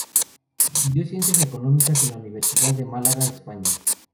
Estudió ciencias económicas en la Universidad de Málaga, España.